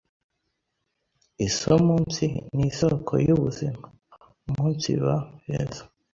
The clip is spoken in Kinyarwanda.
isuumunsi ni isoko y’ubuzima), umunsiba heza